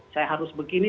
saya harus begini